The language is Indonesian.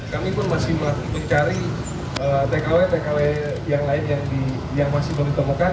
kami pun masih mencari tkw tkw yang lain yang masih belum ditemukan